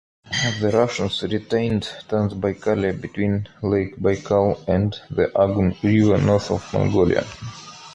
The Russians retained Trans-Baikalia between Lake Baikal and the Argun River north of Mongolia.